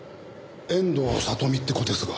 遠藤里実って子ですが。